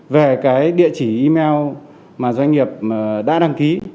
về cái địa chỉ email mà doanh nghiệp đã đăng ký